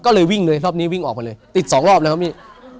ก็เลยวิ่งเลยรอบนี้วิ่งออกไปเลยติดสองรอบเลยครับพี่